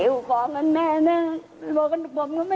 อืม